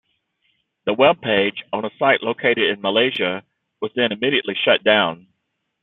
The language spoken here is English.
The web page, on a site located in Malaysia, was then immediately shut down.